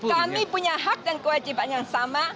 kami punya hak dan kewajiban yang sama